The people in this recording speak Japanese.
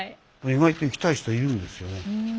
意外と行きたい人いるんですよね。